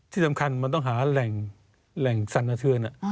ที่สำคัญมันต้องหาแหล่งสั่นสะเทือน